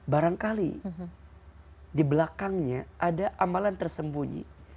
barangkali di belakangnya ada amalan tersembunyi